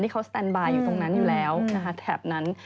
ที่เขาสแตนบายอยู่ตรงนั้นอยู่แล้วแถบนั้น